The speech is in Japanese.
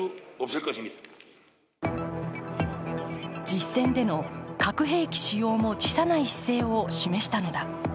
実戦での核兵器使用も辞さない姿勢を示したのだ。